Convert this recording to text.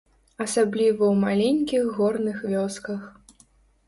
Асабліва ў маленькіх горных вёсках.